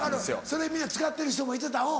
それ皆使ってる人もいてた。